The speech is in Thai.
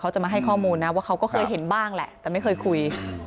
จะมาให้ข้อมูลนะว่าเขาก็เคยเห็นบ้างแหละแต่ไม่เคยคุย